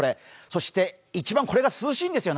そして、一番これが涼しいんですよ